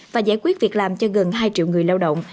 và giải quyết việc làm cho gần hai triệu người lao động